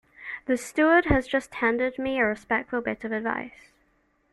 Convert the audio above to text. The steward has just tendered me a respectful bit of advice.